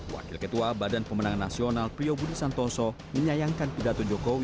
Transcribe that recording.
wakil ketua badan pemenangan nasional priobudi santoso menyayangkan tidato jokowi